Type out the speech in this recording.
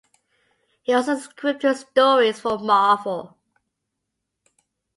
He also scripted stories for Marvel.